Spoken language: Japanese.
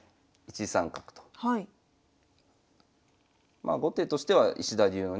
まあ後手としては石田流のね